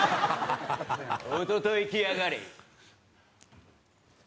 おととい来やがれ！